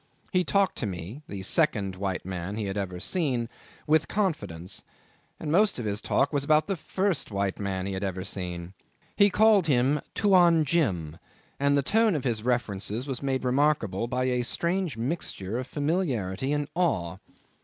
He talked to me (the second white man he had ever seen) with confidence, and most of his talk was about the first white man he had ever seen. He called him Tuan Jim, and the tone of his references was made remarkable by a strange mixture of familiarity and awe.